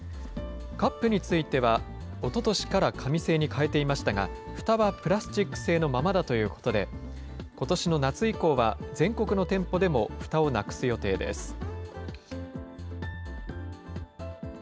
カップについては、おととしから紙製に変えていましたが、ふたはプラスチック製のままだということで、ことしの夏以降は、全国の店舗でもふたをなくす予定です。